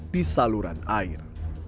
di saluran air